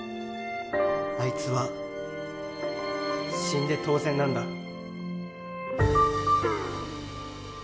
あいつは死んで当然なんだ。